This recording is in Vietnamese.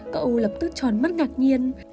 cậu lập tức tròn mắt ngạc nhiên